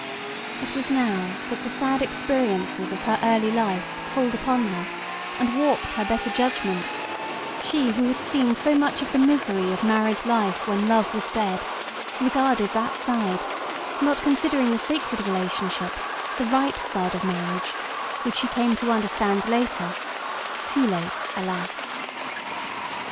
It was now that the sad experiences of her early life told upon her and warped her better judg ment ; she who had seen so much of the misery of married life when love was dead, regarded that side, not considering the sacred relationship, the right side of marriage, which she came to understand later too late, alas